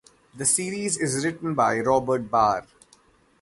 The series is written by Robert Barr.